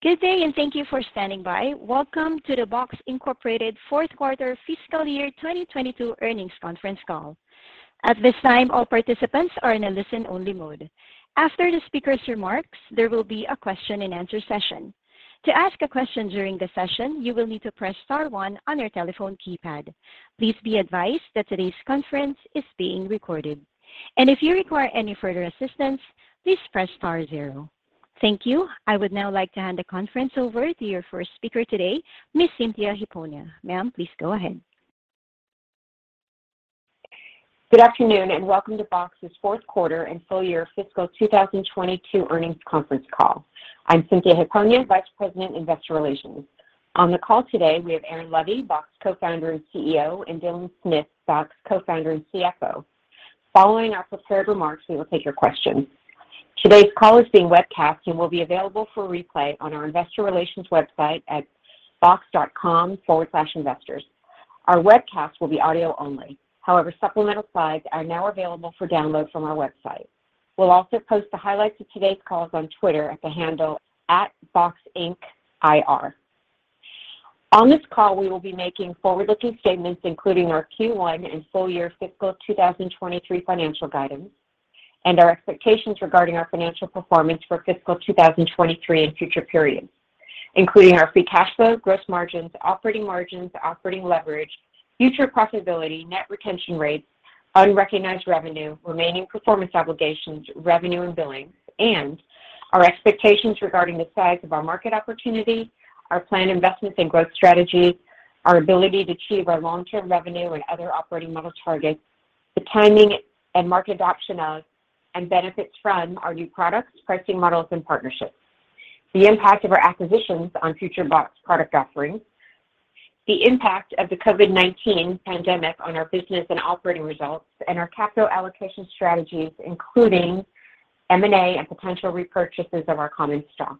Good day, and thank you for standing by. Welcome to the Box Incorporated Fourth Quarter Fiscal Year 2022 Earnings Conference Call. At this time, all participants are in a listen-only mode. After the speaker's remarks, there will be a question and answer session. To ask a question during the session, you will need to press star one on your telephone keypad. Please be advised that today's conference is being recorded. If you require any further assistance, please press star zero. Thank you. I would now like to hand the conference over to your first speaker today, Ms. Cynthia Hiponia. Ma'am, please go ahead. Good afternoon, and welcome to Box's fourth quarter and full year fiscal 2022 earnings conference call. I'm Cynthia Hiponia, Vice President, Investor Relations. On the call today, we have Aaron Levie, Box, Co-founder and CEO, and Dylan Smith, Box, Co-founder and CFO. Following our prepared remarks, we will take your questions. Today's call is being webcast and will be available for replay on our investor relations website at box.com/investors. Our webcast will be audio only. However, supplemental slides are now available for download from our website. We'll also post the highlights of today's calls on Twitter at the handle @BoxIncIR. On this call, we will be making forward-looking statements, including our Q1 and full year fiscal 2023 financial guidance and our expectations regarding our financial performance for fiscal 2023 and future periods, including our free cash flow, gross margins, operating margins, operating leverage, future profitability, net retention rates, unrecognized revenue, remaining performance obligations, revenue and billings, and our expectations regarding the size of our market opportunity, our planned investments and growth strategies, our ability to achieve our long-term revenue and other operating model targets, the timing and market adoption of and benefits from our new products, pricing models, and partnerships, the impact of our acquisitions on future Box product offerings, the impact of the COVID-19 pandemic on our business and operating results, and our capital allocation strategies, including M&A and potential repurchases of our common stock.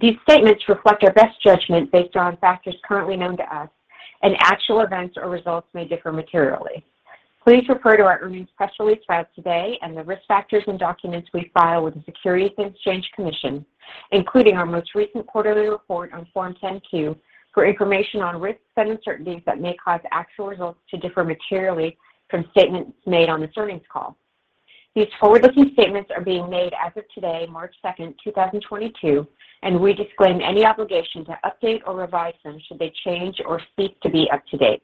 These statements reflect our best judgment based on factors currently known to us, and actual events or results may differ materially. Please refer to our earnings press release filed today and the risk factors and documents we file with the Securities and Exchange Commission, including our most recent quarterly report on Form 10-Q, for information on risks and uncertainties that may cause actual results to differ materially from statements made on this earnings call. These forward-looking statements are being made as of today, March 2nd, 2022, and we disclaim any obligation to update or revise them should they change or cease to be up to date.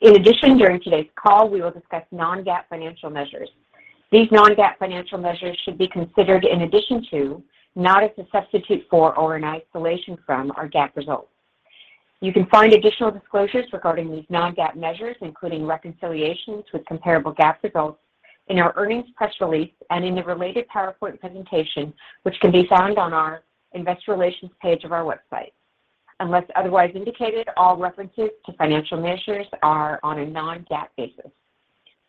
In addition, during today's call, we will discuss non-GAAP financial measures. These non-GAAP financial measures should be considered in addition to, not as a substitute for or in isolation from, our GAAP results. You can find additional disclosures regarding these non-GAAP measures, including reconciliations with comparable GAAP results, in our earnings press release and in the related PowerPoint presentation, which can be found on our investor relations page of our website. Unless otherwise indicated, all references to financial measures are on a non-GAAP basis.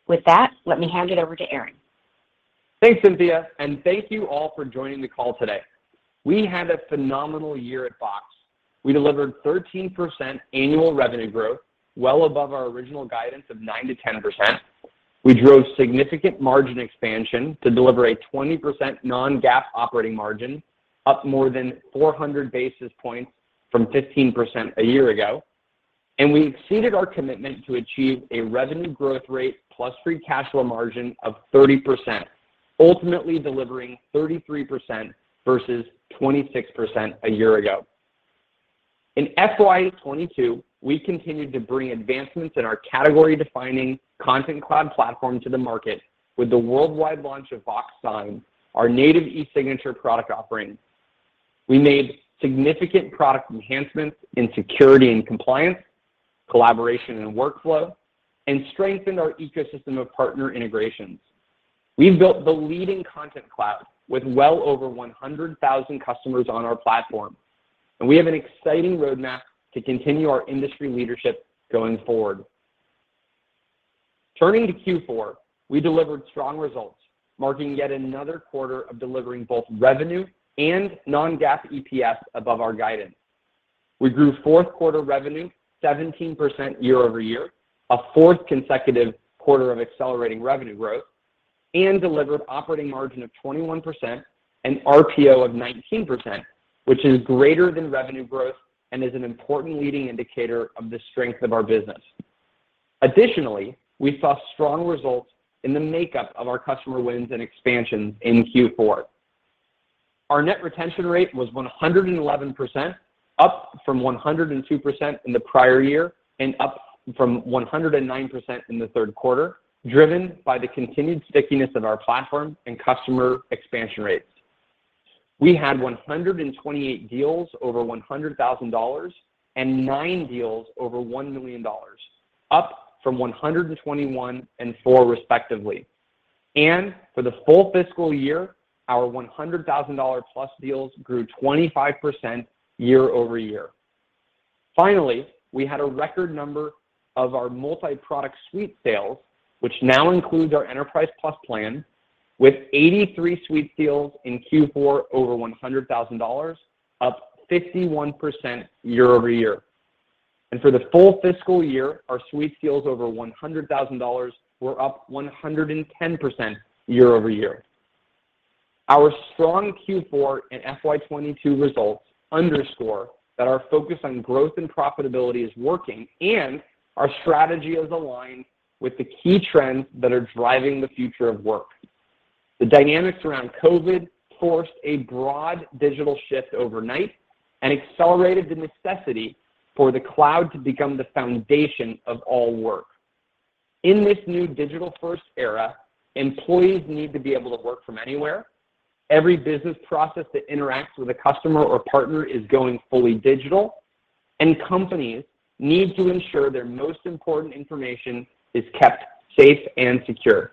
With that, let me hand it over to Aaron. Thanks, Cynthia, and thank you all for joining the call today. We had a phenomenal year at Box. We delivered 13% annual revenue growth, well above our original guidance of 9%-10%. We drove significant margin expansion to deliver a 20% non-GAAP operating margin, up more than 400 basis points from 15% a year ago. We exceeded our commitment to achieve a revenue growth rate plus free cash flow margin of 30%, ultimately delivering 33% versus 26% a year ago. In FY 2022, we continued to bring advancements in our category-defining Content Cloud platform to the market with the worldwide launch of Box Sign, our native e-signature product offering. We made significant product enhancements in security and compliance, collaboration and workflow, and strengthened our ecosystem of partner integrations. We've built the leading Content Cloud with well over 100,000 customers on our platform, and we have an exciting roadmap to continue our industry leadership going forward. Turning to Q4, we delivered strong results, marking yet another quarter of delivering both revenue and non-GAAP EPS above our guidance. We grew fourth quarter revenue 17% year over year, a fourth consecutive quarter of accelerating revenue growth, and delivered operating margin of 21% and RPO of 19%, which is greater than revenue growth and is an important leading indicator of the strength of our business. Additionally, we saw strong results in the makeup of our customer wins and expansions in Q4. Our net retention rate was 111%, up from 102% in the prior year and up from 109% in the third quarter, driven by the continued stickiness of our platform and customer expansion rates. We had 128 deals over $100,000 and nine deals over $1 million, up from 121 and four respectively. For the full fiscal year, our $100,000+ deals grew 25% year-over-year. Finally, we had a record number of our multi-product suite sales, which now includes our Enterprise Plus plan, with 83 suite deals in Q4 over $100,000, up 51% year-over-year. For the full fiscal year, our suite deals over $100,000 were up 110% year-over-year. Our strong Q4 and FY 2022 results underscore that our focus on growth and profitability is working and our strategy is aligned with the key trends that are driving the future of work. The dynamics around COVID forced a broad digital shift overnight and accelerated the necessity for the cloud to become the foundation of all work. In this new digital-first era, employees need to be able to work from anywhere. Every business process that interacts with a customer or partner is going fully digital, and companies need to ensure their most important information is kept safe and secure.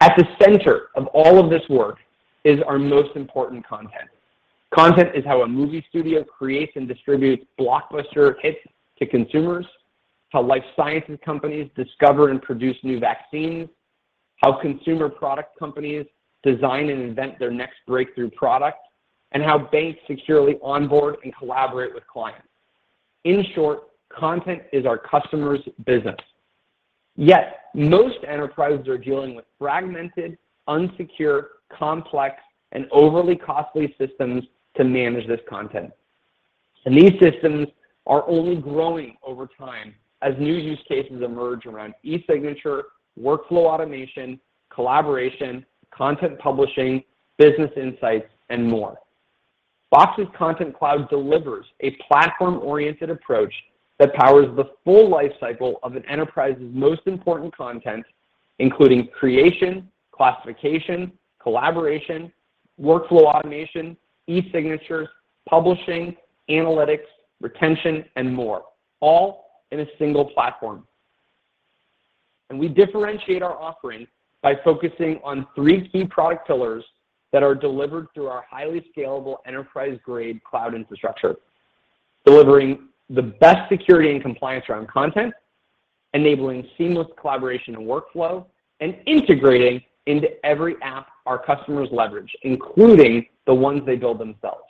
At the center of all of this work is our most important content. Content is how a movie studio creates and distributes blockbuster hits to consumers, how life sciences companies discover and produce new vaccines, how consumer product companies design and invent their next breakthrough product, and how banks securely onboard and collaborate with clients. In short, content is our customers' business. Yet most enterprises are dealing with fragmented, unsecure, complex, and overly costly systems to manage this content. These systems are only growing over time as new use cases emerge around e-signature, workflow automation, collaboration, content publishing, business insights, and more. Box's Content Cloud delivers a platform-oriented approach that powers the full life cycle of an enterprise's most important content, including creation, classification, collaboration, workflow automation, e-signatures, publishing, analytics, retention, and more, all in a single platform. We differentiate our offering by focusing on three key product pillars that are delivered through our highly scalable enterprise-grade cloud infrastructure, delivering the best security and compliance around content, enabling seamless collaboration and workflow, and integrating into every app our customers leverage, including the ones they build themselves.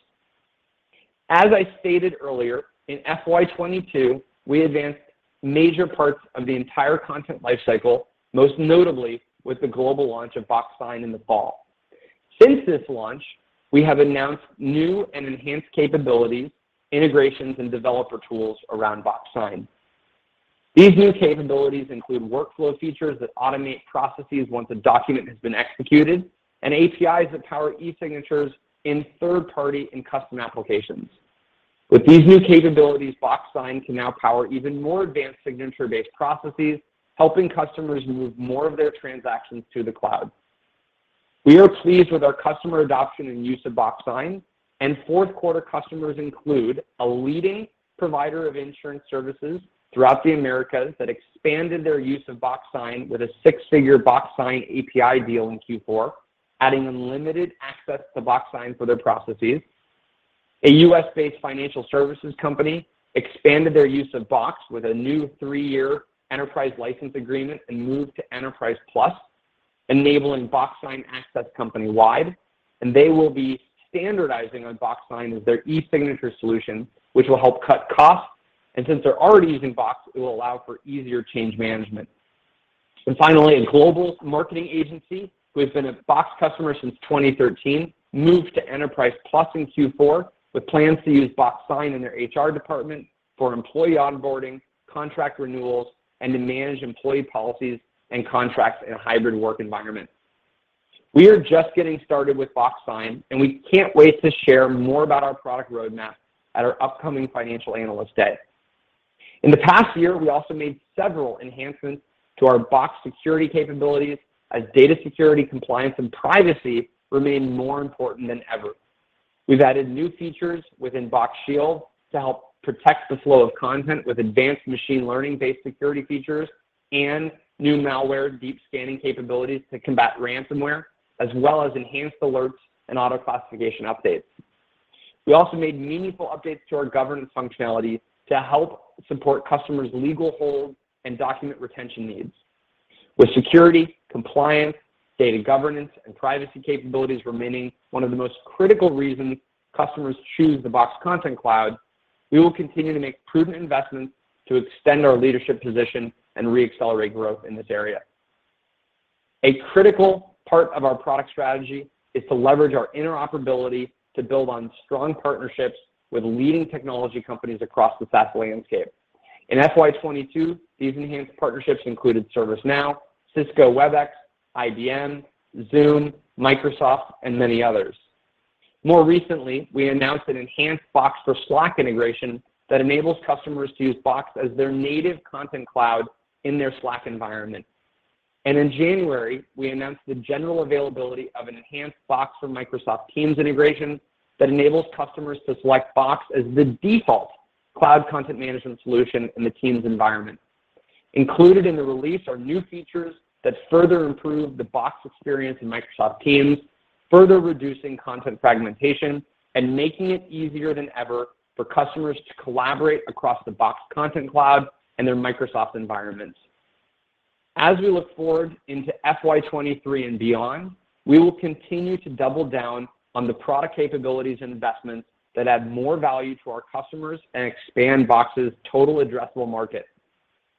As I stated earlier, in FY 2022, we advanced major parts of the entire content life cycle, most notably with the global launch of Box Sign in the fall. Since this launch, we have announced new and enhanced capabilities, integrations, and developer tools around Box Sign. These new capabilities include workflow features that automate processes once a document has been executed and APIs that power e-signatures in third-party and custom applications. With these new capabilities, Box Sign can now power even more advanced signature-based processes, helping customers move more of their transactions to the cloud. We are pleased with our customer adoption and use of Box Sign, and fourth quarter customers include a leading provider of insurance services throughout the Americas that expanded their use of Box Sign with a six-figure Box Sign API deal in Q4, adding unlimited access to Box Sign for their processes. A U.S.-based financial services company expanded their use of Box with a new three-year enterprise license agreement and moved to Enterprise Plus, enabling Box Sign access company-wide, and they will be standardizing on Box Sign as their e-signature solution, which will help cut costs, and since they're already using Box, it will allow for easier change management. Finally, a global marketing agency who has been a Box customer since 2013 moved to Enterprise Plus in Q4 with plans to use Box Sign in their HR department for employee onboarding, contract renewals, and to manage employee policies and contracts in a hybrid work environment. We are just getting started with Box Sign, and we can't wait to share more about our product roadmap at our upcoming Financial Analyst Day. In the past year, we also made several enhancements to our Box security capabilities as data security, compliance, and privacy remain more important than ever. We've added new features within Box Shield to help protect the flow of content with advanced machine learning-based security features and new malware deep scanning capabilities to combat ransomware, as well as enhanced alerts and auto-classification updates. We also made meaningful updates to our governance functionality to help support customers' legal hold and document retention needs. With security, compliance, data governance, and privacy capabilities remaining one of the most critical reasons customers choose the Box Content Cloud, we will continue to make prudent investments to extend our leadership position and re-accelerate growth in this area. A critical part of our product strategy is to leverage our interoperability to build on strong partnerships with leading technology companies across the SaaS landscape. In FY 2022, these enhanced partnerships included ServiceNow, Cisco Webex, IBM, Zoom, Microsoft, and many others. More recently, we announced an enhanced Box for Slack integration that enables customers to use Box as their native content cloud in their Slack environment. In January, we announced the general availability of an enhanced Box for Microsoft Teams integration that enables customers to select Box as the default cloud content management solution in the Teams environment. Included in the release are new features that further improve the Box experience in Microsoft Teams, further reducing content fragmentation and making it easier than ever for customers to collaborate across the Box Content Cloud and their Microsoft environments. As we look forward into FY 2023 and beyond, we will continue to double down on the product capabilities and investments that add more value to our customers and expand Box's total addressable market.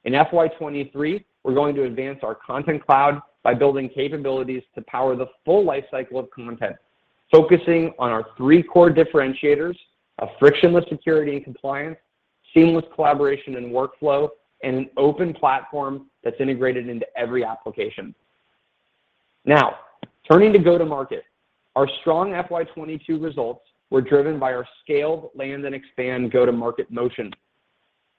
In FY 2023, we're going to advance our content cloud by building capabilities to power the full life cycle of content, focusing on our three core differentiators of frictionless security and compliance, seamless collaboration and workflow, and an open platform that's integrated into every application. Now, turning to go-to-market. Our strong FY 2022 results were driven by our scaled land and expand go-to-market motion.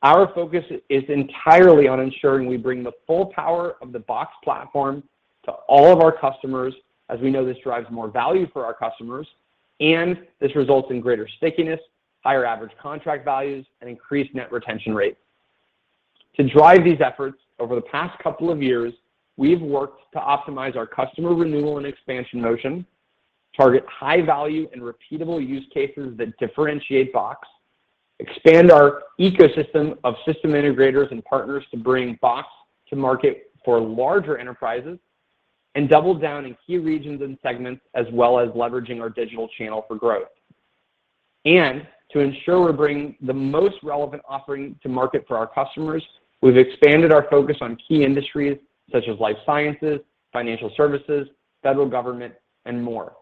Our focus is entirely on ensuring we bring the full power of the Box platform to all of our customers as we know this drives more value for our customers, and this results in greater stickiness, higher average contract values, and increased net retention rate. To drive these efforts over the past couple of years, we've worked to optimize our customer renewal and expansion motion, target high value and repeatable use cases that differentiate Box, expand our ecosystem of system integrators and partners to bring Box to market for larger enterprises, and double down in key regions and segments, as well as leveraging our digital channel for growth. To ensure we're bringing the most relevant offering to market for our customers, we've expanded our focus on key industries such as life sciences, financial services, federal government, and more.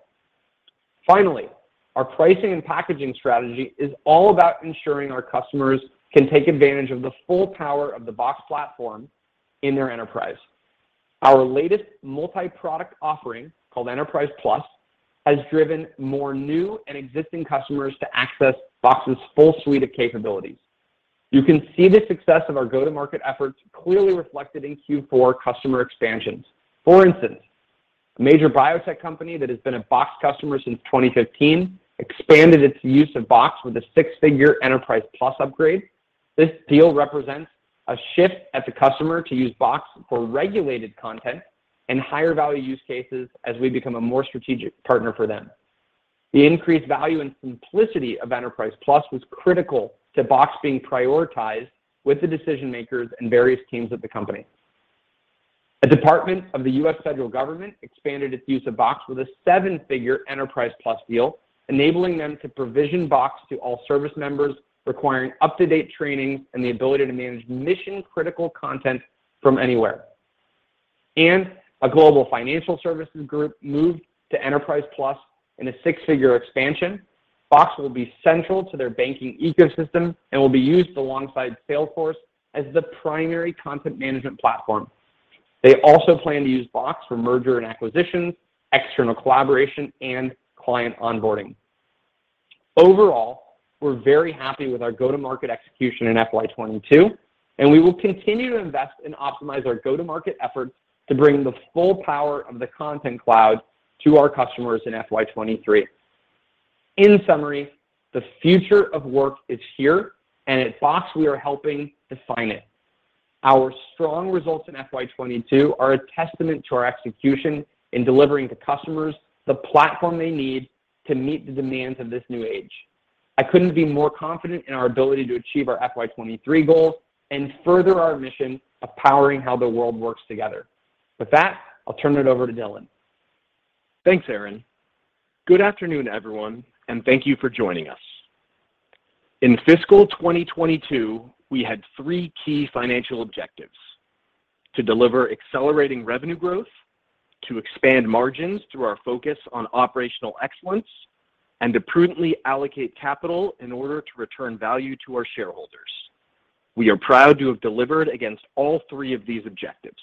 Finally, our pricing and packaging strategy is all about ensuring our customers can take advantage of the full power of the Box platform in their enterprise. Our latest multi-product offering, called Enterprise Plus, has driven more new and existing customers to access Box's full suite of capabilities. You can see the success of our go-to-market efforts clearly reflected in Q4 customer expansions. For instance, a major biotech company that has been a Box customer since 2015 expanded its use of Box with a six-figure Enterprise Plus upgrade. This deal represents a shift at the customer to use Box for regulated content and higher value use cases as we become a more strategic partner for them. The increased value and simplicity of Enterprise Plus was critical to Box being prioritized with the decision-makers and various teams at the company. A department of the U.S. federal government expanded its use of Box with a seven-figure Enterprise Plus deal, enabling them to provision Box to all service members requiring up-to-date training and the ability to manage mission-critical content from anywhere. And a global financial services group moved to Enterprise Plus in a six-figure expansion. Box will be central to their banking ecosystem and will be used alongside Salesforce as the primary content management platform. They also plan to use Box for merger and acquisition, external collaboration, and client onboarding. Overall, we're very happy with our go-to-market execution in FY 2022, and we will continue to invest and optimize our go-to-market efforts to bring the full power of the Content Cloud to our customers in FY 2023. In summary, the future of work is here, and at Box, we are helping define it. Our strong results in FY 2022 are a testament to our execution in delivering to customers the platform they need to meet the demands of this new age. I couldn't be more confident in our ability to achieve our FY 2023 goals and further our mission of powering how the world works together. With that, I'll turn it over to Dylan. Thanks, Aaron. Good afternoon, everyone, and thank you for joining us. In fiscal 2022, we had three key financial objectives, to deliver accelerating revenue growth, to expand margins through our focus on operational excellence, and to prudently allocate capital in order to return value to our shareholders. We are proud to have delivered against all three of these objectives.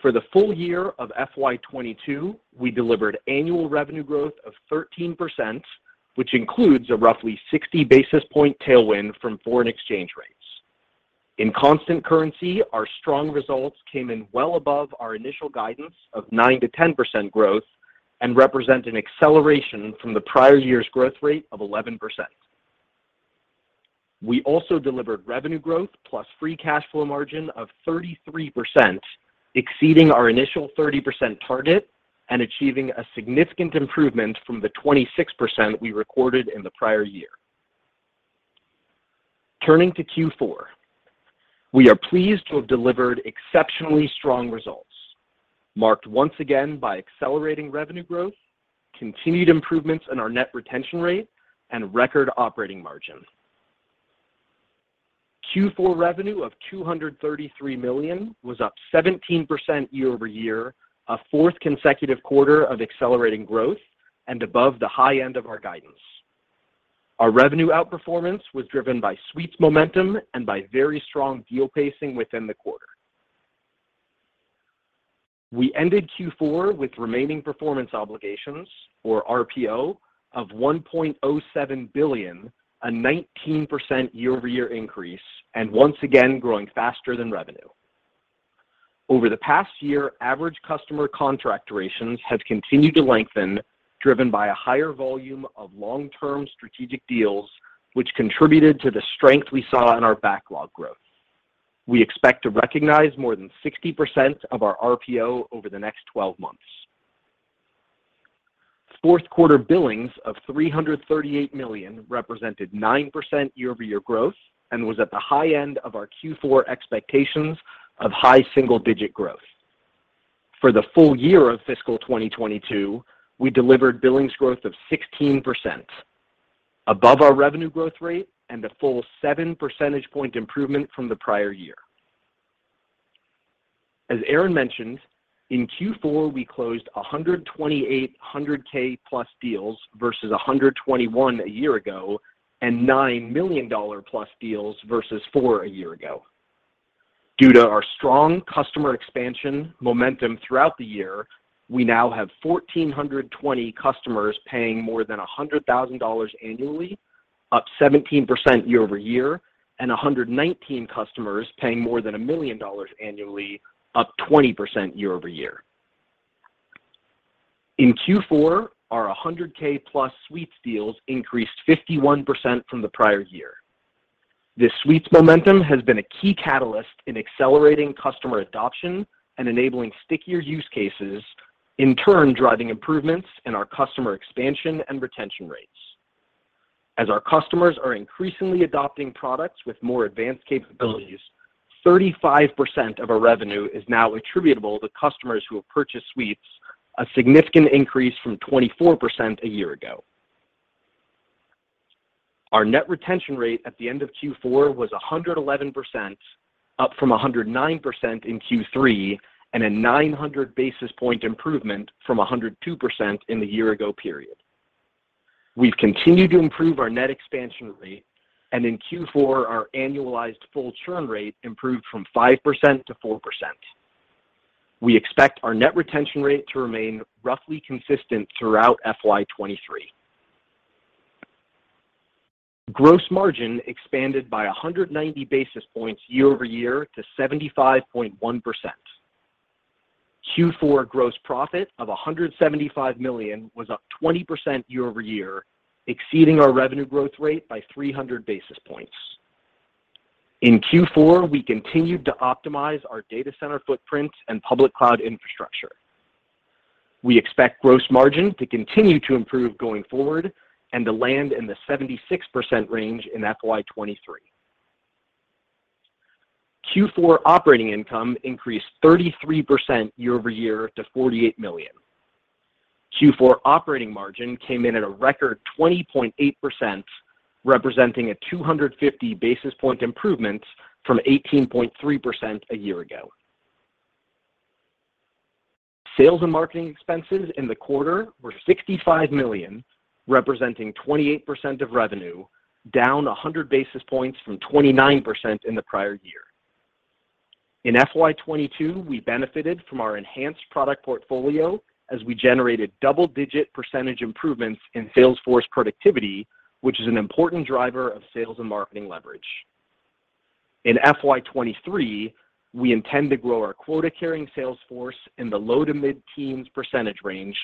For the full year of FY 2022, we delivered annual revenue growth of 13%, which includes a roughly 60 basis points tailwind from foreign exchange rates. In constant currency, our strong results came in well above our initial guidance of 9%-10% growth and represent an acceleration from the prior year's growth rate of 11%. We also delivered revenue growth plus free cash flow margin of 33%, exceeding our initial 30% target and achieving a significant improvement from the 26% we recorded in the prior year. Turning to Q4, we are pleased to have delivered exceptionally strong results, marked once again by accelerating revenue growth, continued improvements in our net retention rate, and record operating margin. Q4 revenue of $233 million was up 17% year-over-year, a fourth consecutive quarter of accelerating growth, and above the high end of our guidance. Our revenue outperformance was driven by Suites momentum and by very strong deal pacing within the quarter. We ended Q4 with remaining performance obligations, or RPO, of $1.07 billion, a 19% year-over-year increase, and once again growing faster than revenue. Over the past year, average customer contract durations have continued to lengthen, driven by a higher volume of long-term strategic deals, which contributed to the strength we saw in our backlog growth. We expect to recognize more than 60% of our RPO over the next 12 months. Fourth quarter billings of $338 million represented 9% year-over-year growth and was at the high end of our Q4 expectations of high single-digit growth. For the full year of fiscal 2022, we delivered billings growth of 16%, above our revenue growth rate and a full seven percentage point improvement from the prior year. As Aaron mentioned, in Q4 we closed 128 100K+ deals versus 121 a year ago, and $+9 million deals versus 4 a year ago. Due to our strong customer expansion momentum throughout the year, we now have 1,420 customers paying more than $100,000 annually, up 17% year over year, and 119 customers paying more than $1 million annually, up 20% year over year. In Q4, our $100K+ suites deals increased 51% from the prior year. This suites momentum has been a key catalyst in accelerating customer adoption and enabling stickier use cases, in turn, driving improvements in our customer expansion and retention rates. As our customers are increasingly adopting products with more advanced capabilities, 35% of our revenue is now attributable to customers who have purchased suites, a significant increase from 24% a year ago. Our net retention rate at the end of Q4 was 111%, up from 109% in Q3, and a 900 basis point improvement from 102% in the year ago period. We've continued to improve our net expansion rate, and in Q4, our annualized full churn rate improved from 5% to 4%. We expect our net retention rate to remain roughly consistent throughout FY 2023. Gross margin expanded by 190 basis points year-over-year to 75.1%. Q4 gross profit of $175 million was up 20% year-over-year, exceeding our revenue growth rate by 300 basis points. In Q4, we continued to optimize our data center footprint and public cloud infrastructure. We expect gross margin to continue to improve going forward and to land in the 76% range in FY 2023. Q4 operating income increased 33% year over year to $48 million. Q4 operating margin came in at a record 20.8%, representing a 250 basis point improvement from 18.3% a year ago. Sales and marketing expenses in the quarter were $65 million, representing 28% of revenue, down 100 basis points from 29% in the prior year. In FY 2022, we benefited from our enhanced product portfolio as we generated double-digit percentage improvements in sales force productivity, which is an important driver of sales and marketing leverage. In FY 2023, we intend to grow our quota-carrying sales force in the low- to mid-teens % range,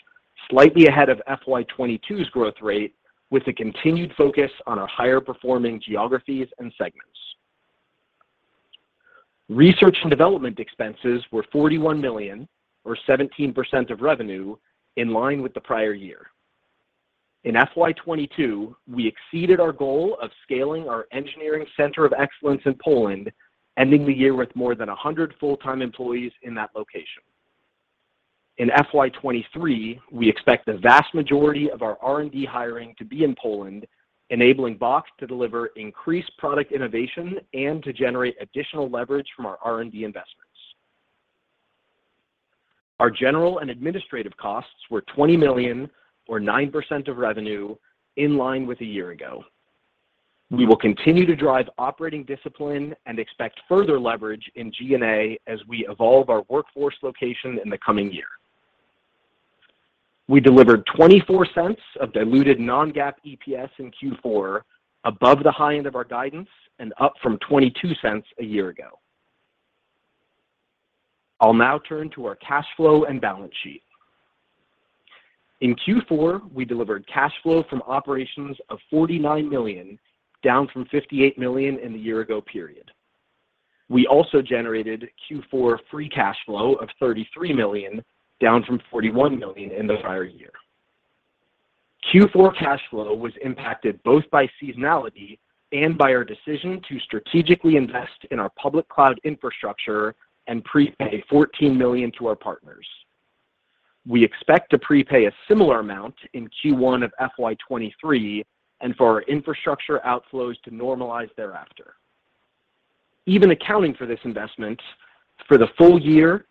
slightly ahead of FY 2022's growth rate, with a continued focus on our higher performing geographies and segments. Research and development expenses were $41 million, or 17% of revenue, in line with the prior year. In FY 2022, we exceeded our goal of scaling our engineering center of excellence in Poland, ending the year with more than 100 full-time employees in that location. In FY 2023, we expect the vast majority of our R&D hiring to be in Poland, enabling Box to deliver increased product innovation and to generate additional leverage from our R&D investments. Our general and administrative costs were $20 million or 9% of revenue in line with a year ago. We will continue to drive operating discipline and expect further leverage in G&A as we evolve our workforce location in the coming year. We delivered $0.24 of diluted non-GAAP EPS in Q4, above the high end of our guidance and up from $0.22 a year ago. I'll now turn to our cash flow and balance sheet. In Q4, we delivered cash flow from operations of $49 million, down from $58 million in the year ago period. We also generated Q4 free cash flow of $33 million, down from $41 million in the prior year. Q4 cash flow was impacted both by seasonality and by our decision to strategically invest in our public cloud infrastructure and prepay $14 million to our partners. We expect to prepay a similar amount in Q1 of FY 2023 and for our infrastructure outflows to normalize thereafter. Even accounting for this investment, for the full year,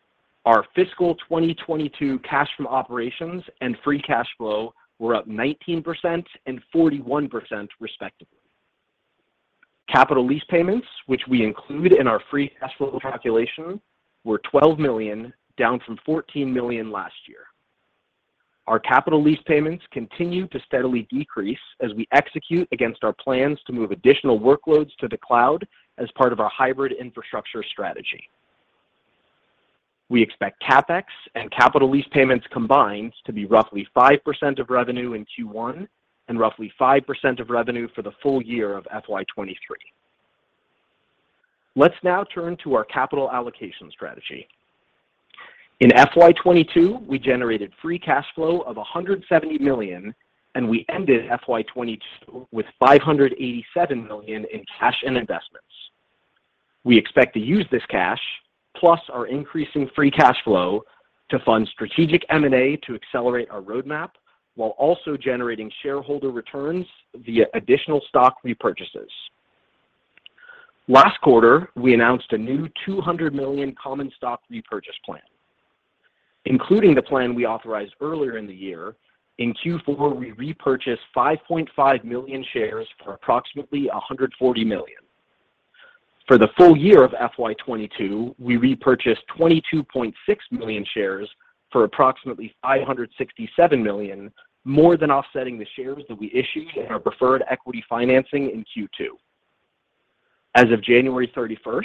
our fiscal 2022 cash from operations and free cash flow were up 19% and 41%, respectively. Capital lease payments, which we include in our free cash flow calculation, were $12 million, down from $14 million last year. Our capital lease payments continue to steadily decrease as we execute against our plans to move additional workloads to the cloud as part of our hybrid infrastructure strategy. We expect CapEx and capital lease payments combined to be roughly 5% of revenue in Q1 and roughly 5% of revenue for the full year of FY 2023. Let's now turn to our capital allocation strategy. In FY 2022, we generated free cash flow of $170 million, and we ended FY 2022 with $587 million in cash and investments. We expect to use this cash, plus our increasing free cash flow to fund strategic M&A to accelerate our roadmap while also generating shareholder returns via additional stock repurchases. Last quarter, we announced a new $200 million common stock repurchase plan. Including the plan we authorized earlier in the year, in Q4, we repurchased 5.5 million shares for approximately $140 million. For the full year of FY 2022, we repurchased 22.6 million shares for approximately $567 million, more than offsetting the shares that we issued in our preferred equity financing in Q2. As of January 31st,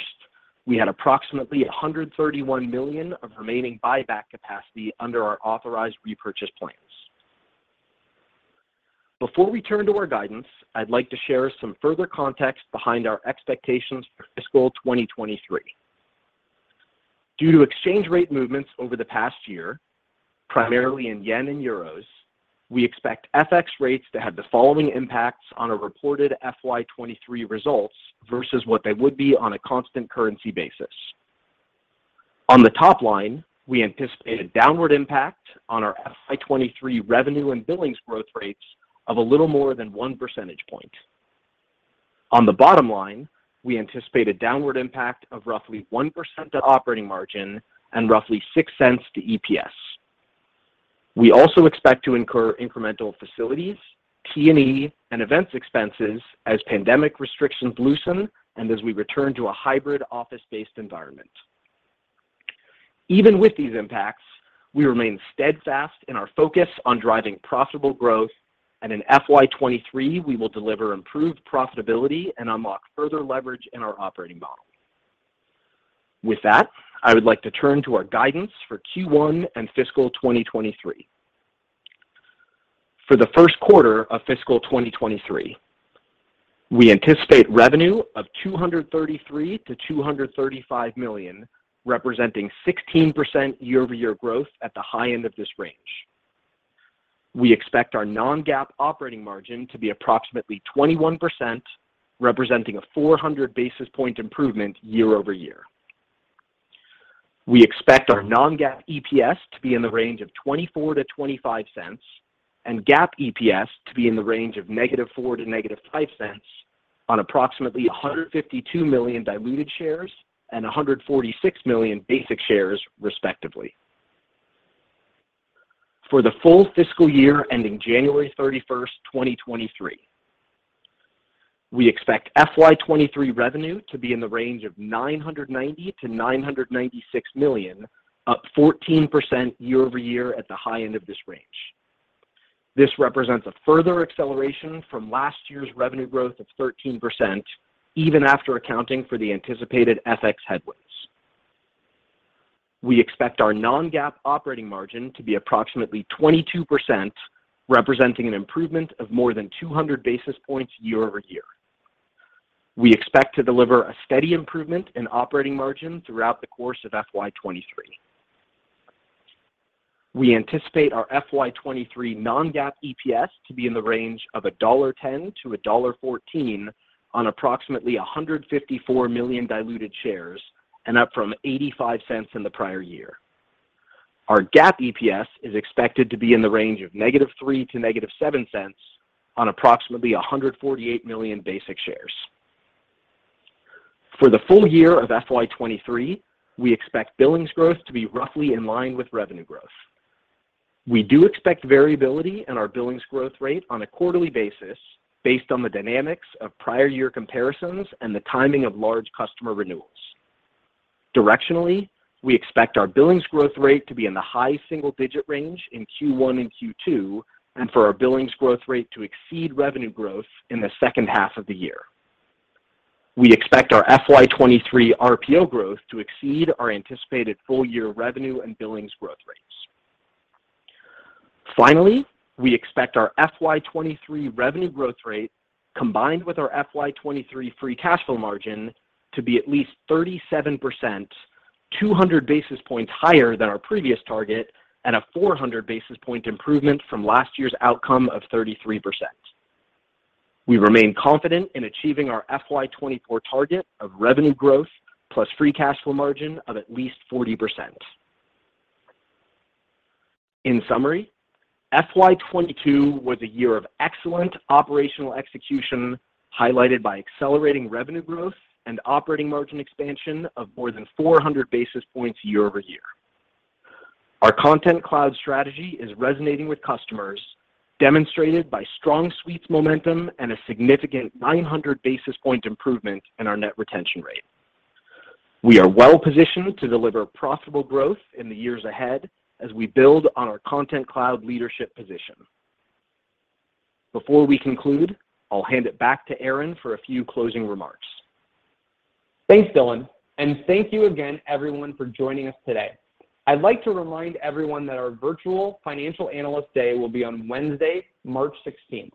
we had approximately $131 million of remaining buyback capacity under our authorized repurchase plans. Before we turn to our guidance, I'd like to share some further context behind our expectations for fiscal 2023. Due to exchange rate movements over the past year, primarily in yen and euros, we expect FX rates to have the following impacts on our reported FY 2023 results versus what they would be on a constant currency basis. On the top line, we anticipate a downward impact on our FY 2023 revenue and billings growth rates of a little more than 1 percentage point. On the bottom line, we anticipate a downward impact of roughly 1% of operating margin and roughly $0.06 to EPS. We also expect to incur incremental facilities, T&E, and events expenses as pandemic restrictions loosen and as we return to a hybrid office-based environment. Even with these impacts, we remain steadfast in our focus on driving profitable growth, and in FY 2023, we will deliver improved profitability and unlock further leverage in our operating model. With that, I would like to turn to our guidance for Q1 and fiscal 2023. For the first quarter of fiscal 2023, we anticipate revenue of $233 million-$235 million, representing 16% year-over-year growth at the high end of this range. We expect our non-GAAP operating margin to be approximately 21%, representing a 400 basis point improvement year-over-year. We expect our non-GAAP EPS to be in the range of $0.24-$0.25 and GAAP EPS to be in the range of -$0.04 to -$0.05 on approximately 152 million diluted shares and 146 million basic shares, respectively. For the full fiscal year ending January 31st, 2023, we expect FY 2023 revenue to be in the range of $990 million-$996 million, up 14% year-over-year at the high end of this range. This represents a further acceleration from last year's revenue growth of 13%, even after accounting for the anticipated FX headwinds. We expect our non-GAAP operating margin to be approximately 22%, representing an improvement of more than 200 basis points year-over-year. We expect to deliver a steady improvement in operating margin throughout the course of FY 2023. We anticipate our FY 2023 non-GAAP EPS to be in the range of $1.10-$1.14 on approximately 154 million diluted shares and up from $0.85 in the prior year. Our GAAP EPS is expected to be in the range of -$0.03 to -$0.07 on approximately 148 million basic shares. For the full year of FY 2023, we expect billings growth to be roughly in line with revenue growth. We do expect variability in our billings growth rate on a quarterly basis based on the dynamics of prior year comparisons and the timing of large customer renewals. Directionally, we expect our billings growth rate to be in the high single-digit range in Q1 and Q2, and for our billings growth rate to exceed revenue growth in the second half of the year. We expect our FY 2023 RPO growth to exceed our anticipated full year revenue and billings growth rates. Finally, we expect our FY 2023 revenue growth rate, combined with our FY 2023 free cash flow margin, to be at least 37%, 200 basis points higher than our previous target, and a 400 basis point improvement from last year's outcome of 33%. We remain confident in achieving our FY 2024 target of revenue growth plus free cash flow margin of at least 40%. In summary, FY 2022 was a year of excellent operational execution, highlighted by accelerating revenue growth and operating margin expansion of more than 400 basis points year-over-year. Our Content Cloud strategy is resonating with customers, demonstrated by strong suites momentum and a significant 900 basis point improvement in our net retention rate. We are well-positioned to deliver profitable growth in the years ahead as we build on our Content Cloud leadership position. Before we conclude, I'll hand it back to Aaron for a few closing remarks. Thanks, Dylan. Thank you again, everyone, for joining us today. I'd like to remind everyone that our virtual Financial Analyst Day will be on Wednesday, March 16th.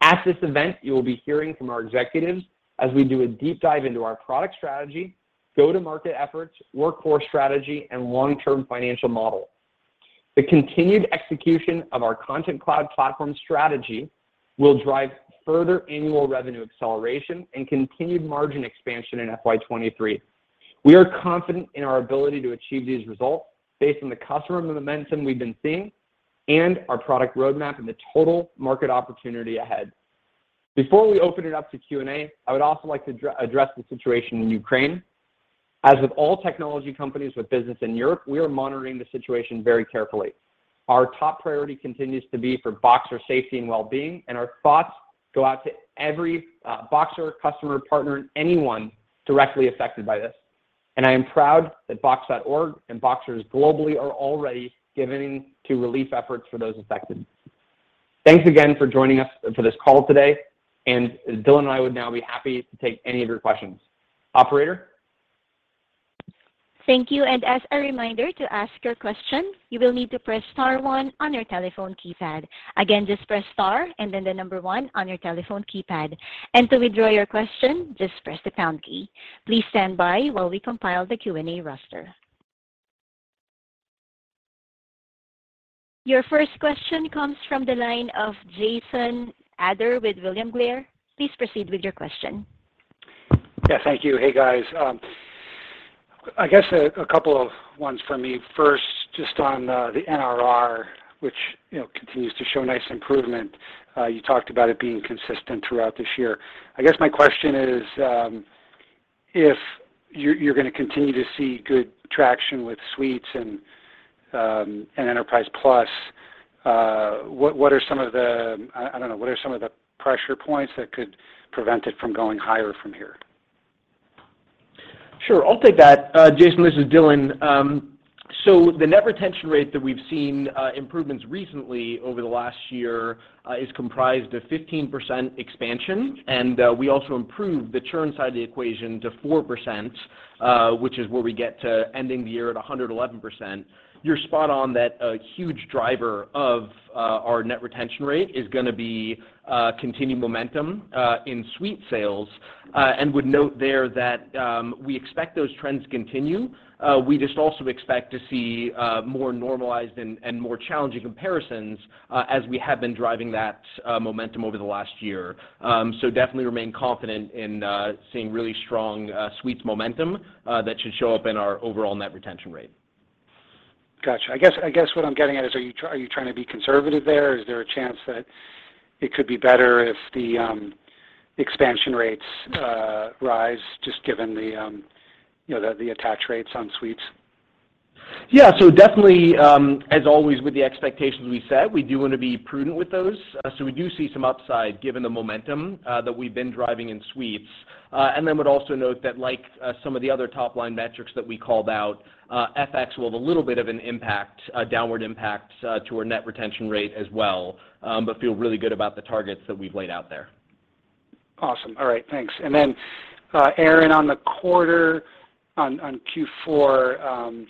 At this event, you will be hearing from our executives as we do a deep dive into our product strategy, go-to-market efforts, workforce strategy, and long-term financial model. The continued execution of our Content Cloud platform strategy will drive further annual revenue acceleration and continued margin expansion in FY 2023. We are confident in our ability to achieve these results based on the customer momentum we've been seeing and our product roadmap, and the total market opportunity ahead. Before we open it up to Q&A, I would also like to address the situation in Ukraine. As with all technology companies with business in Europe, we are monitoring the situation very carefully. Our top priority continues to be for Boxers' safety and wellbeing, and our thoughts go out to every Boxer, customer, partner, and anyone directly affected by this. I am proud that Box.org and Boxers globally are already giving to relief efforts for those affected. Thanks again for joining us for this call today, and Dylan and I would now be happy to take any of your questions. Operator? Thank you. As a reminder, to ask your question, you will need to press star one on your telephone keypad. Again, just press star and then the number one on your telephone keypad. To withdraw your question, just press the pound key. Please stand by while we compile the Q&A roster. Your first question comes from the line of Jason Ader with William Blair. Please proceed with your question. Yeah, thank you. Hey, guys. I guess a couple of ones from me. First, just on the NRR, which you know continues to show nice improvement. You talked about it being consistent throughout this year. I guess my question is, if you're gonna continue to see good traction with Suites and Enterprise Plus, I don't know, what are some of the pressure points that could prevent it from going higher from here? Sure. I'll take that. Jason, this is Dylan. So the net retention rate that we've seen improvements recently over the last year is comprised of 15% expansion, and we also improved the churn side of the equation to 4%, which is where we get to ending the year at 111%. You're spot on that a huge driver of our net retention rate is gonna be continued momentum in Suite sales. Would note there that we expect those trends to continue. We just also expect to see more normalized and more challenging comparisons as we have been driving that momentum over the last year. Definitely remain confident in seeing really strong Suites momentum that should show up in our overall net retention rate. Gotcha. I guess what I'm getting at is, are you trying to be conservative there? Is there a chance that it could be better if the expansion rates rise just given the, you know, the attach rates on Suites? Yeah. Definitely, as always with the expectations we set, we do wanna be prudent with those. We do see some upside given the momentum that we've been driving in Suites. Would also note that like, some of the other top-line metrics that we called out, FX will have a little bit of an impact, a downward impact, to our net retention rate as well. Feel really good about the targets that we've laid out there. Awesome. All right, thanks. Aaron, on the quarter on Q4,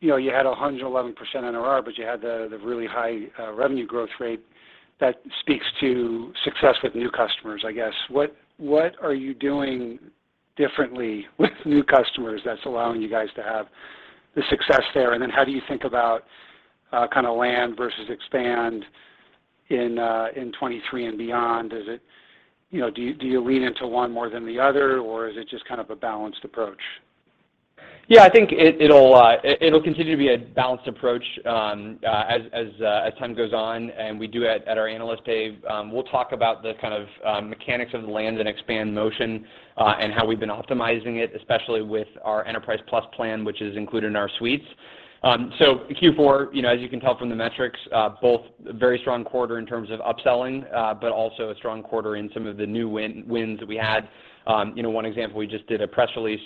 you know, you had 111% NRR, but you had the really high revenue growth rate that speaks to success with new customers, I guess. What are you doing differently with new customers that's allowing you guys to have the success there? How do you think about kinda land versus expand in 2023 and beyond? Is it, you know, do you lean into one more than the other, or is it just kind of a balanced approach? Yeah. I think it'll continue to be a balanced approach as time goes on. At our Analyst Day, we'll talk about the kind of mechanics of the land-and-expand motion and how we've been optimizing it, especially with our Enterprise Plus plan, which is included in our suites. Q4, you know, as you can tell from the metrics, both very strong quarter in terms of upselling, but also a strong quarter in some of the new win-wins that we had. You know, one example, we just did a press release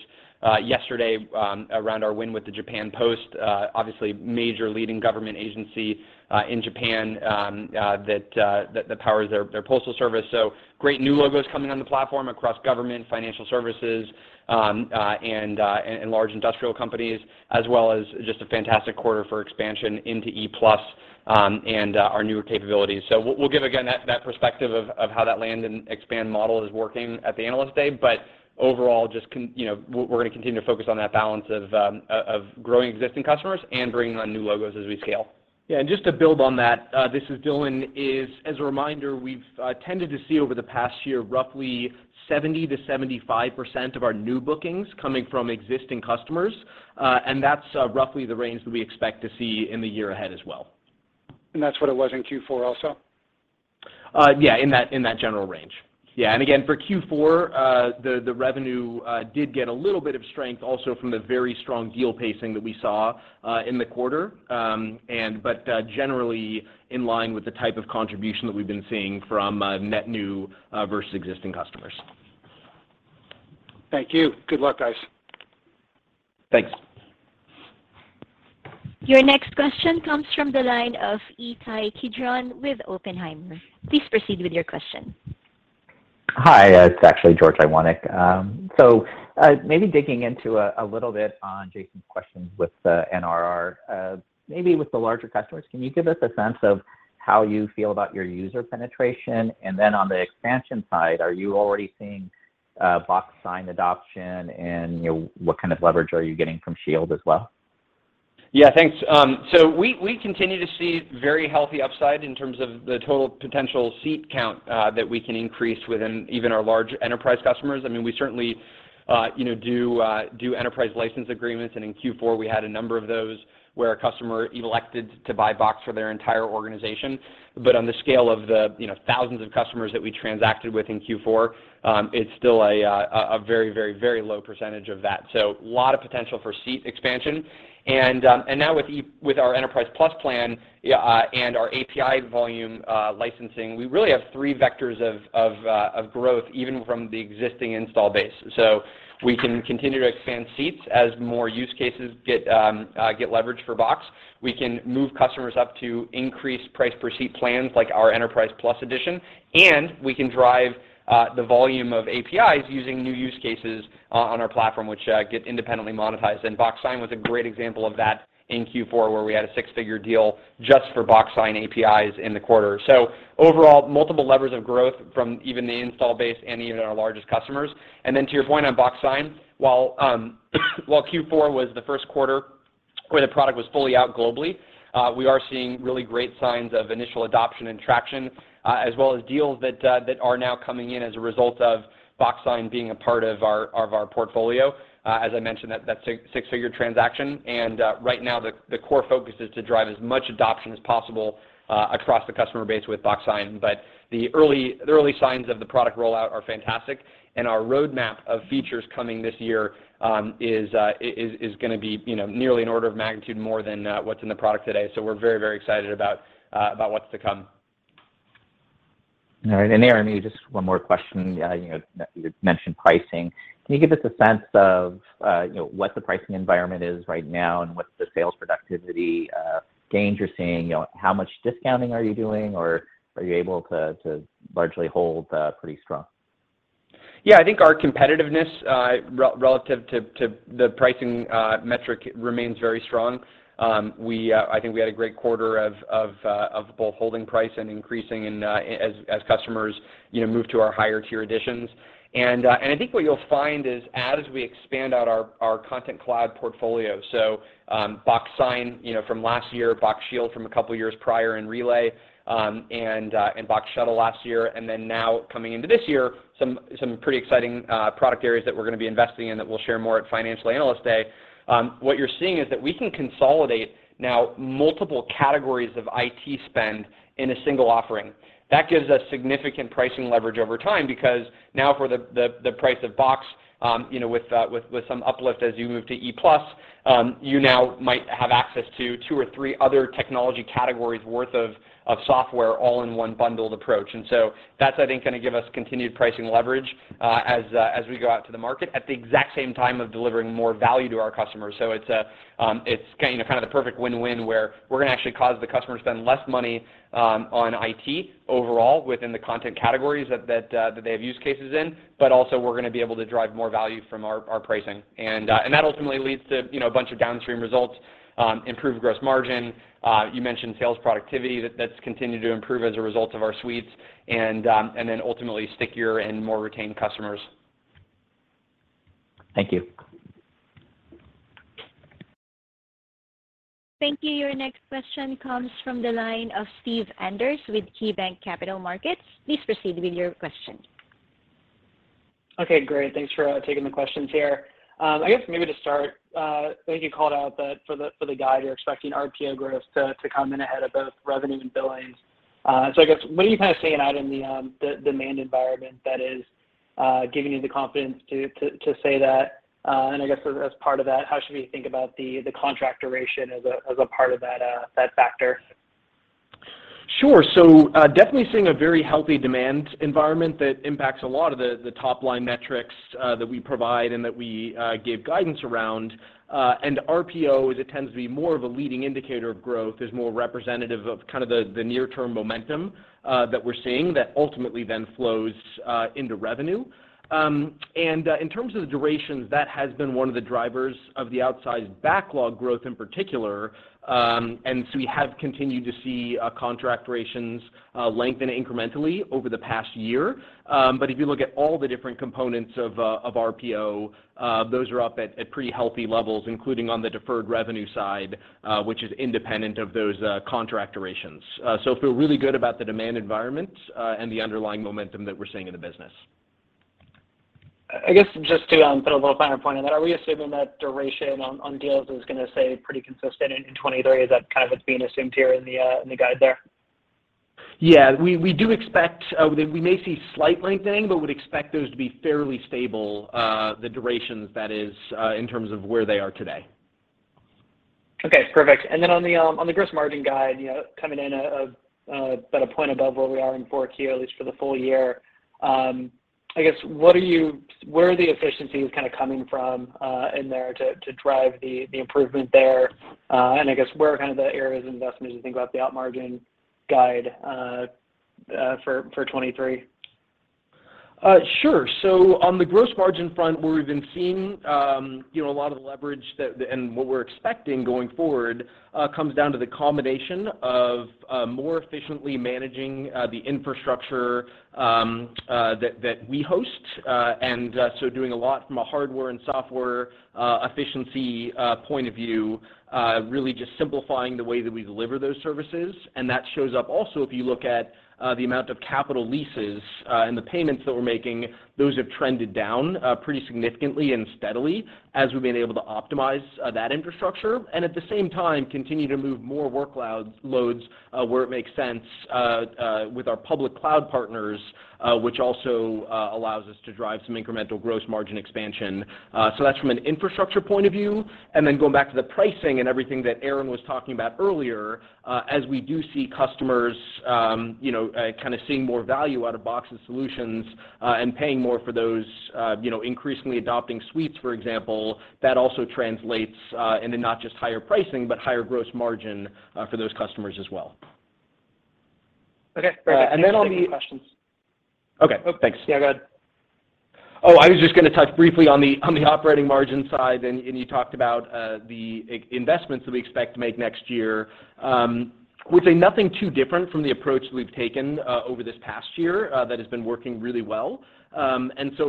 yesterday around our win with the Japan Post. Obviously major leading government agency in Japan that powers their postal service. Great new logos coming on the platform across government, financial services, and large industrial companies, as well as just a fantastic quarter for expansion into Enterprise Plus, and our newer capabilities. We'll give again that perspective of how that land and expand model is working at the Analyst Day. But overall, you know, we're gonna continue to focus on that balance of growing existing customers and bringing on new logos as we scale. Just to build on that, this is Dylan. As a reminder, we've tended to see over the past year, roughly 70%-75% of our new bookings coming from existing customers. That's roughly the range that we expect to see in the year ahead as well. That's what it was in Q4 also? Yeah, in that general range. Yeah. Again, for Q4, the revenue did get a little bit of strength also from the very strong deal pacing that we saw in the quarter. Generally in line with the type of contribution that we've been seeing from net new versus existing customers. Thank you. Good luck, guys. Thanks. Your next question comes from the line of Ittai Kidron with Oppenheimer. Please proceed with your question. Hi, it's actually George Iwanyc. Maybe digging into a little bit on Jason's questions with the NRR. With the larger customers, can you give us a sense of how you feel about your user penetration? On the expansion side, are you already seeing Box Sign adoption, and you know, what kind of leverage are you getting from Shield as well? Yeah, thanks. We continue to see very healthy upside in terms of the total potential seat count that we can increase within even our large enterprise customers. I mean, we certainly you know do enterprise license agreements, and in Q4, we had a number of those where a customer elected to buy Box for their entire organization. On the scale of the you know thousands of customers that we transacted with in Q4, it's still a very low percentage of that, so a lot of potential for seat expansion. Now with our Enterprise Plus plan and our API volume licensing, we really have three vectors of growth, even from the existing install base. We can continue to expand seats as more use cases get leveraged for Box. We can move customers up to increased price per seat plans like our Enterprise Plus edition, and we can drive the volume of APIs using new use cases on our platform, which get independently monetized. Box Sign was a great example of that in Q4, where we had a six-figure deal just for Box Sign APIs in the quarter. Overall, multiple levers of growth from even the installed base and even our largest customers. To your point on Box Sign, while Q4 was the first quarter where the product was fully out globally, we are seeing really great signs of initial adoption and traction, as well as deals that are now coming in as a result of Box Sign being a part of our portfolio. As I mentioned, that six-figure transaction, and right now the core focus is to drive as much adoption as possible across the customer base with Box Sign. But the early signs of the product rollout are fantastic, and our roadmap of features coming this year is gonna be, you know, nearly an order of magnitude more than what's in the product today. We're very, very excited about what's to come. All right. Aaron, maybe just one more question. You know, you mentioned pricing. Can you give us a sense of, you know, what the pricing environment is right now, and what's the sales productivity gains you're seeing? You know, how much discounting are you doing, or are you able to to largely hold pretty strong? Yeah. I think our competitiveness relative to the pricing metric remains very strong. I think we had a great quarter of both holding price and increasing as customers you know move to our higher tier editions. I think what you'll find is as we expand out our Content Cloud portfolio, Box Sign you know from last year, Box Shield from a couple years prior, and Relay and Box Shuttle last year, and then now coming into this year, some pretty exciting product areas that we're gonna be investing in that we'll share more at Financial Analyst Day. What you're seeing is that we can consolidate now multiple categories of IT spend in a single offering. That gives us significant pricing leverage over time because now for the price of Box, you know, with some uplift as you move to E Plus, you now might have access to two or three other technology categories worth of software all in one bundled approach. That's gonna give us continued pricing leverage as we go out to the market at the exact same time of delivering more value to our customers. It's kind of the perfect win-win, where we're gonna actually cause the customer to spend less money on IT overall within the content categories that they have use cases in, but also we're gonna be able to drive more value from our pricing. that ultimately leads to, you know, a bunch of downstream results, improved gross margin. You mentioned sales productivity that's continued to improve as a result of our suites and then ultimately stickier and more retained customers. Thank you. Thank you. Your next question comes from the line of Steve Enders with KeyBanc Capital Markets. Please proceed with your question. Okay, great. Thanks for taking the questions here. I guess maybe to start, I think you called out that for the guide, you're expecting RPO growth to come in ahead of both revenue and billings. I guess what are you kind of seeing out in the demand environment that is giving you the confidence to say that? I guess as part of that, how should we think about the contract duration as a part of that factor? Sure. Definitely seeing a very healthy demand environment that impacts a lot of the top-line metrics that we provide and that we give guidance around. RPO as it tends to be more of a leading indicator of growth, is more representative of kind of the near-term momentum that we're seeing that ultimately then flows into revenue. In terms of the durations, that has been one of the drivers of the outsized backlog growth in particular, we have continued to see contract durations lengthen incrementally over the past year. If you look at all the different components of RPO, those are up at pretty healthy levels, including on the deferred revenue side, which is independent of those contract durations. Feel really good about the demand environment, and the underlying momentum that we're seeing in the business. I guess just to put a little finer point on that, are we assuming that duration on deals is gonna stay pretty consistent in 2023? Is that kind of what's being assumed here in the guide there? Yeah. We do expect we may see slight lengthening, but would expect those to be fairly stable, the durations, that is, in terms of where they are today. Okay, perfect. Then on the gross margin guide, you know, coming in about a point above where we are in 4Q, at least for the full year, I guess where are the efficiencies kinda coming from in there to drive the improvement there? I guess where are kind of the areas of investment as you think about the gross margin guide for 2023? Sure. On the gross margin front, where we've been seeing, you know, a lot of the leverage that and what we're expecting going forward, comes down to the combination of more efficiently managing the infrastructure that we host. Doing a lot from a hardware and software efficiency point of view, really just simplifying the way that we deliver those services. That shows up also if you look at the amount of capital leases and the payments that we're making, those have trended down pretty significantly and steadily as we've been able to optimize that infrastructure. at the same time, continue to move more workloads where it makes sense with our public cloud partners, which also allows us to drive some incremental gross margin expansion. That's from an infrastructure point of view. Then going back to the pricing and everything that Aaron was talking about earlier, as we do see customers you know kind of seeing more value out-of-box and solutions, and paying more for those you know increasingly adopting suites, for example, that also translates into not just higher pricing, but higher gross margin for those customers as well. Okay, great. And then on the- Thanks. I have a few more questions. Okay. Oh, thanks. Yeah, go ahead. I was just gonna touch briefly on the operating margin side, and you talked about the investments that we expect to make next year. We'll see nothing too different from the approach that we've taken over this past year that has been working really well.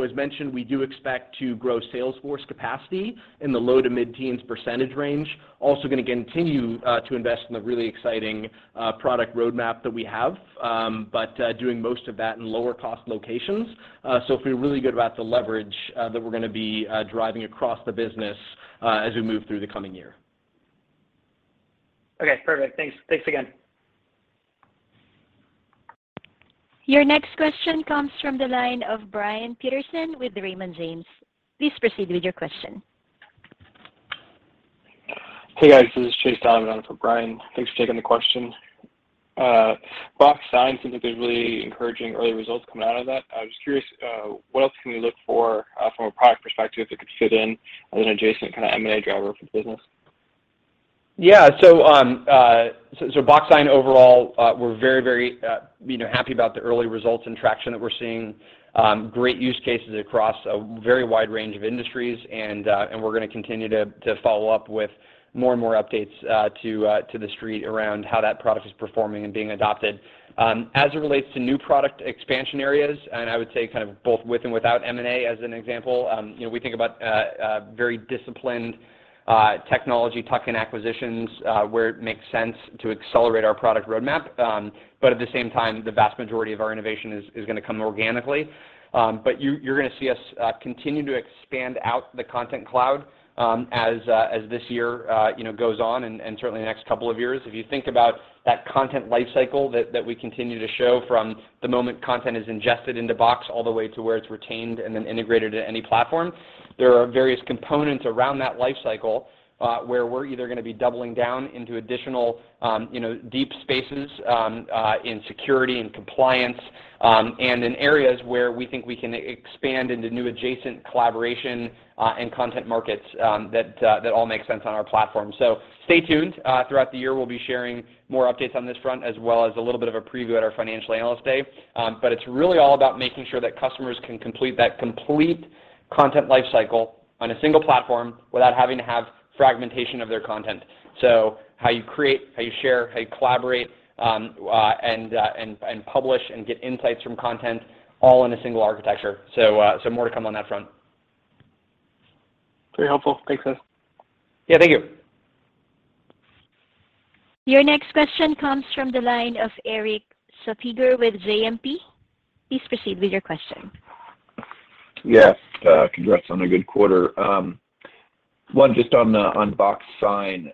As mentioned, we do expect to grow sales force capacity in the low- to mid-teens% range. Gonna continue to invest in the really exciting product roadmap that we have, but doing most of that in lower cost locations. If we're really good about the leverage that we're gonna be driving across the business as we move through the coming year. Okay, perfect. Thanks. Thanks again. Your next question comes from the line of Brian Peterson with Raymond James. Please proceed with your question. Hey, guys. This is Chase Donovan for Brian. Thanks for taking the question. Box Sign seems like there's really encouraging early results coming out of that. I was just curious, what else can we look for, from a product perspective that could fit in as an adjacent kind of M&A driver for the business? Box Sign overall, we're very you know happy about the early results and traction that we're seeing. Great use cases across a very wide range of industries, and we're gonna continue to follow up with more and more updates to the street around how that product is performing and being adopted. As it relates to new product expansion areas, and I would say kind of both with and without M&A as an example, you know, we think about very disciplined technology tuck-in acquisitions, where it makes sense to accelerate our product roadmap. At the same time, the vast majority of our innovation is gonna come organically. You’re gonna see us continue to expand out the Content Cloud as this year, you know, goes on and certainly the next couple of years. If you think about that content life cycle that we continue to show from the moment content is ingested into Box all the way to where it’s retained and then integrated into any platform, there are various components around that life cycle where we’re either gonna be doubling down into additional, you know, deep spaces in security and compliance, and in areas where we think we can expand into new adjacent collaboration and content markets that all make sense on our platform. Stay tuned. Throughout the year we'll be sharing more updates on this front, as well as a little bit of a preview at our Financial Analyst Day. It's really all about making sure that customers can complete that content life cycle on a single platform without having to have fragmentation of their content. How you create, how you share, how you collaborate, and publish and get insights from content all in a single architecture. More to come on that front. Very helpful. Thanks, guys. Yeah, thank you. Your next question comes from the line of Erik Suppiger with JMP. Please proceed with your question. Yes. Congrats on a good quarter. One just on Box Sign.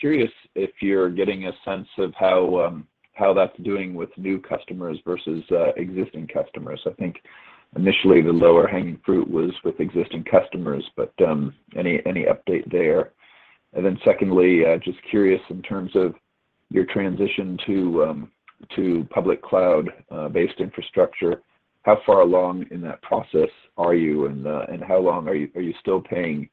Curious if you're getting a sense of how that's doing with new customers versus existing customers. I think initially the lower hanging fruit was with existing customers, but any update there? Secondly, just curious in terms of your transition to public cloud based infrastructure, how far along in that process are you and how long are you still paying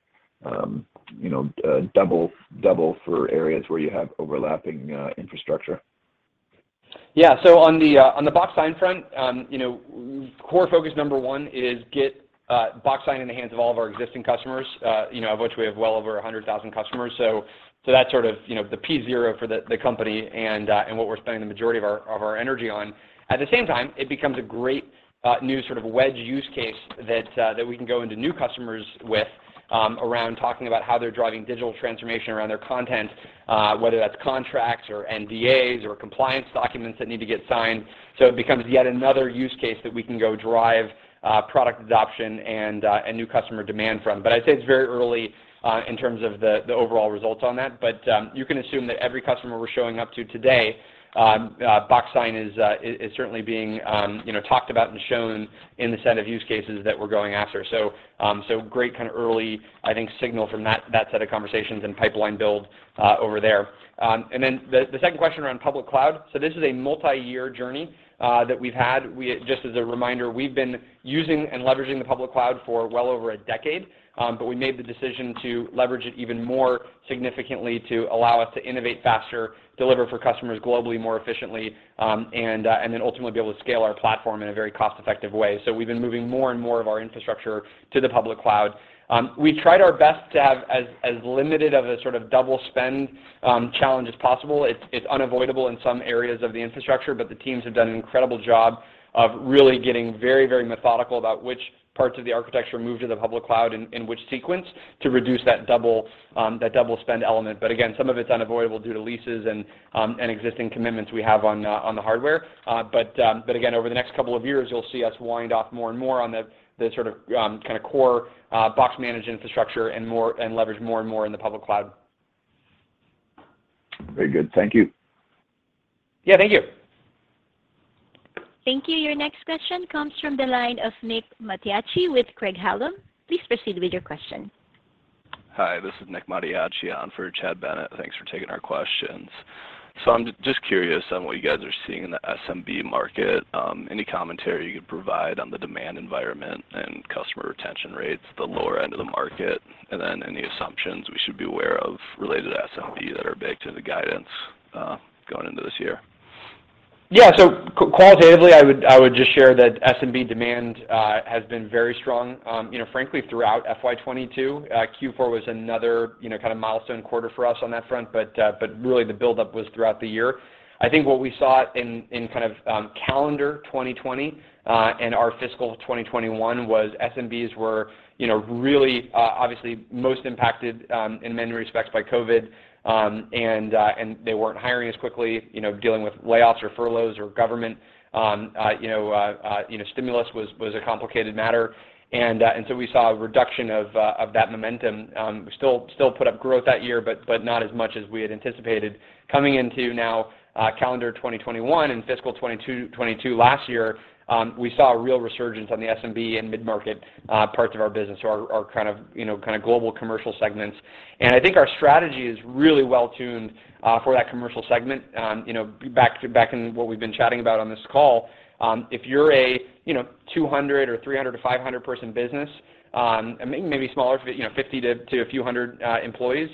you know double for areas where you have overlapping infrastructure? Yeah. On the Box Sign front, you know, core focus number one is get Box Sign in the hands of all of our existing customers, you know, of which we have well over 100,000 customers. That's sort of, you know, the P0 for the company and what we're spending the majority of our energy on. At the same time, it becomes a great new sort of wedge use case that we can go into new customers with, around talking about how they're driving digital transformation around their content, whether that's contracts or NDAs or compliance documents that need to get signed. It becomes yet another use case that we can go drive product adoption and a new customer demand from. I'd say it's very early in terms of the overall results on that, but you can assume that every customer we're showing up to today, Box Sign is certainly being, you know, talked about and shown in the set of use cases that we're going after. Great kind of early, I think, signal from that set of conversations and pipeline build over there. Then the second question around public cloud. This is a multi-year journey that we've had. Just as a reminder, we've been using and leveraging the public cloud for well over a decade, but we made the decision to leverage it even more significantly to allow us to innovate faster, deliver for customers globally more efficiently, and then ultimately be able to scale our platform in a very cost-effective way. We've been moving more and more of our infrastructure to the public cloud. We tried our best to have as limited of a sort of double spend challenge as possible. It's unavoidable in some areas of the infrastructure, but the teams have done an incredible job of really getting very methodical about which parts of the architecture move to the public cloud in which sequence to reduce that double spend element. Again, some of it's unavoidable due to leases and existing commitments we have on the hardware. Again, over the next couple of years, you'll see us wind down more and more of the sort of kind of core Box management infrastructure and leverage more and more in the public cloud. Very good. Thank you. Yeah, thank you. Thank you. Your next question comes from the line of Nick Mattiacci with Craig-Hallum. Please proceed with your question. Hi, this is Nick Mattiacci on for Chad Bennett. Thanks for taking our questions. I'm just curious on what you guys are seeing in the SMB market, any commentary you could provide on the demand environment and customer retention rates, the lower end of the market, and then any assumptions we should be aware of related to SMB that are big to the guidance, going into this year. Qualitatively, I would just share that SMB demand has been very strong, you know, frankly, throughout FY 2022. Q4 was another, you know, kind of milestone quarter for us on that front. Really the buildup was throughout the year. I think what we saw in kind of calendar 2020 and our fiscal 2021 was SMBs were, you know, really obviously most impacted in many respects by COVID, and they weren't hiring as quickly, you know, dealing with layoffs or furloughs or government stimulus was a complicated matter. So we saw a reduction of that momentum. We still put up growth that year, but not as much as we had anticipated. Coming into now, calendar 2021 and fiscal 2022 last year, we saw a real resurgence on the SMB and mid-market parts of our business. Our kind of, you know, kind of global commercial segments. I think our strategy is really well tuned for that commercial segment. You know, back in what we've been chatting about on this call, if you're a, you know, 200 or 300 to 500 person business, and maybe smaller, you know, 50 to a few hundred employees,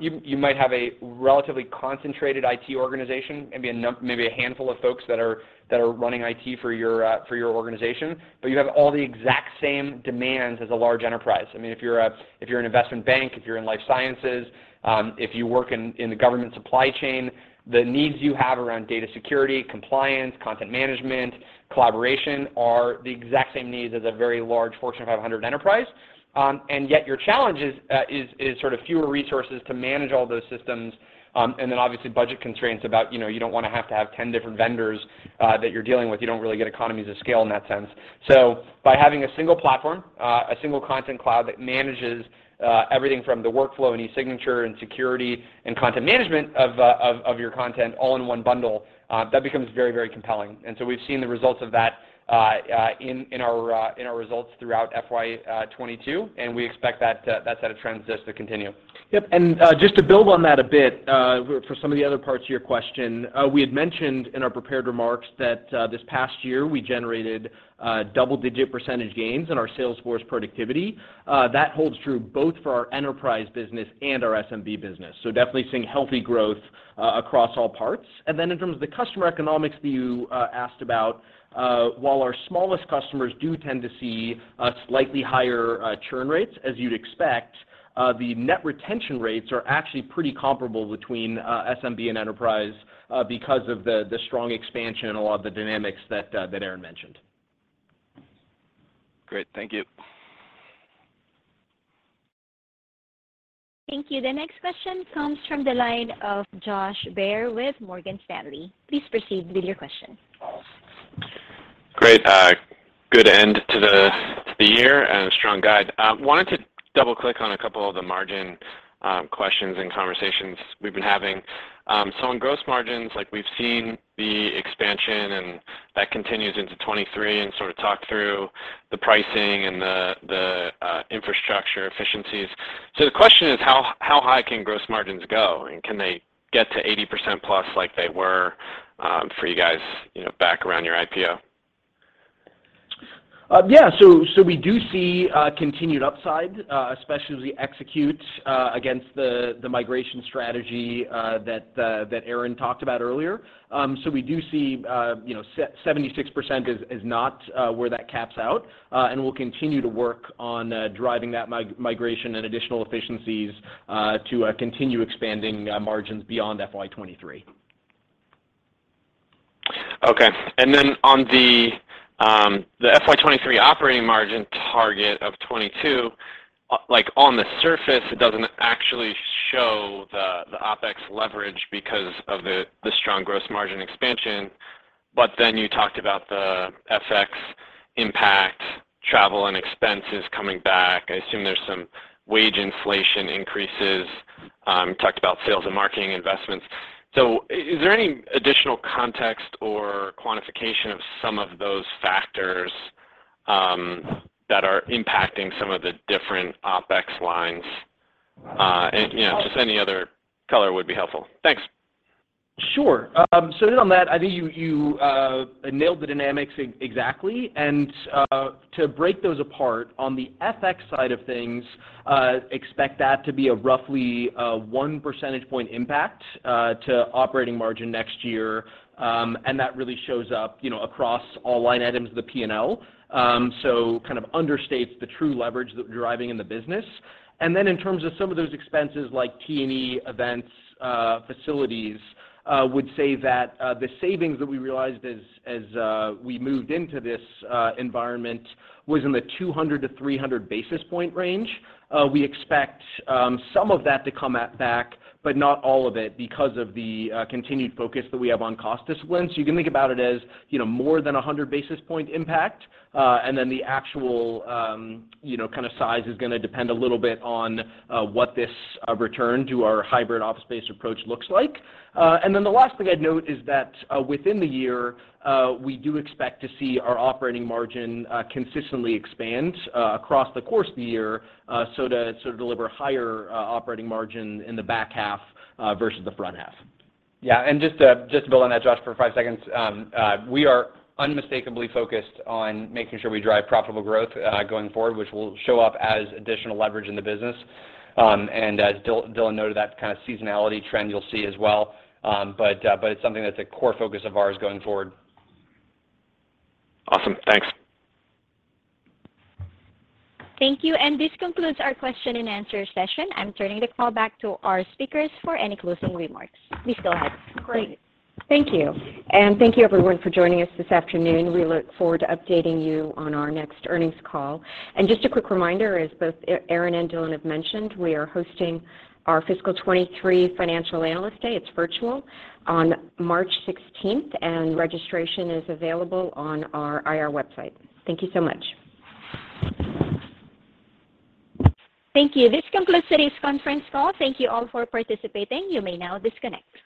you might have a relatively concentrated IT organization, maybe a handful of folks that are running IT for your organization. You have all the exact same demands as a large enterprise. I mean, if you're an investment bank, if you're in life sciences, if you work in the government supply chain, the needs you have around data security, compliance, content management, collaboration are the exact same needs as a very large Fortune 500 enterprise. Yet your challenge is sort of fewer resources to manage all those systems, and then obviously budget constraints about, you know, you don't wanna have to have 10 different vendors that you're dealing with. You don't really get economies of scale in that sense. By having a single platform, a single Content Cloud that manages everything from the workflow and e-signature and security and content management of your content all in one bundle, that becomes very, very compelling. We've seen the results of that in our results throughout FY 2022, and we expect that set of trends just to continue. Yep. Just to build on that a bit, for some of the other parts of your question, we had mentioned in our prepared remarks that, this past year, we generated, double-digit percentage gains in our sales force productivity. That holds true both for our enterprise business and our SMB business. Definitely seeing healthy growth across all parts. Then in terms of the customer economics that you asked about, while our smallest customers do tend to see, slightly higher, churn rates, as you'd expect, the net retention rates are actually pretty comparable between, SMB and enterprise, because of the strong expansion and a lot of the dynamics that Aaron mentioned. Great. Thank you. Thank you. The next question comes from the line of Josh Baer with Morgan Stanley. Please proceed with your question. Great. Good end to the year and a strong guide. Wanted to double-click on a couple of the margins questions and conversations we've been having. On gross margins, like we've seen the expansion, and that continues into 2023 and sort of talk through the pricing and the infrastructure efficiencies. The question is how high can gross margins go? And can they get to 80% plus like they were for you guys, you know, back around your IPO? Yeah. We do see continued upside, especially as we execute against the migration strategy that Aaron talked about earlier. We do see, you know, 76% is not where that caps out, and we'll continue to work on driving that migration and additional efficiencies to continue expanding margins beyond FY 2023. Okay. Then on the FY 2023 operating margin target of 22%, like on the surface, it doesn't actually show the OpEx leverage because of the strong gross margin expansion. But then you talked about the FX impact, travel and expenses coming back. I assume there's some wage inflation increases. You talked about sales and marketing investments. So is there any additional context or quantification of some of those factors that are impacting some of the different OpEx lines? And you know, just any other color would be helpful. Thanks. Sure. On that, I think you nailed the dynamics exactly. To break those apart, on the FX side of things, expect that to be a roughly one percentage point impact to operating margin next year. That really shows up, you know, across all line items of the P&L. Kind of understates the true leverage that we're driving in the business. In terms of some of those expenses like T&E events, facilities, would say that the savings that we realized as we moved into this environment was in the 200-300 basis point range. We expect some of that to come back, but not all of it because of the continued focus that we have on cost discipline. You can think about it as, you know, more than 100 basis points impact. The actual, you know, kind of size is gonna depend a little bit on what this return to our hybrid office space approach looks like. The last thing I'd note is that within the year we do expect to see our operating margin consistently expand across the course of the year to sort of deliver higher operating margin in the back half versus the front half. Yeah. Just to build on that, Josh, for five seconds. We are unmistakably focused on making sure we drive profitable growth going forward, which will show up as additional leverage in the business. As Dylan noted, that kind of seasonality trend you'll see as well. It's something that's a core focus of ours going forward. Awesome. Thanks. Thank you. This concludes our question and answer session. I'm turning the call back to our speakers for any closing remarks. Please go ahead. Great. Thank you. Thank you everyone for joining us this afternoon. We look forward to updating you on our next earnings call. Just a quick reminder, as both Aaron and Dylan have mentioned, we are hosting our fiscal 2023 financial analyst day, it's virtual, on March 16th, and registration is available on our IR website. Thank you so much. Thank you. This concludes today's conference call. Thank you all for participating. You may now disconnect.